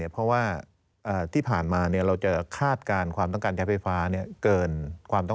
เพราะว่าที่ผ่านมาเราจะคาดการความต้องการใช้ไฟฟ้า